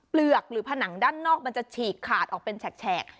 เปลือกหรือผนังด้านนอกมันจะฉีกขาดออกเป็นแฉก